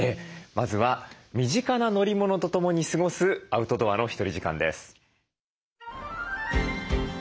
まずは身近な乗り物とともに過ごすアウトドアのひとり時間です。